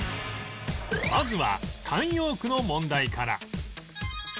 まずは慣用句の問題から